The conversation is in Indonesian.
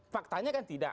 faktanya kan tidak